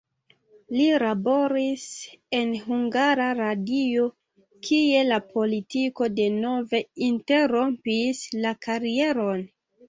Li laboris en Hungara Radio, kie la politiko denove interrompis la karieron.